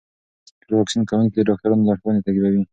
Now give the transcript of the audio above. ټول واکسین کوونکي د ډاکټرانو لارښوونې تعقیبوي.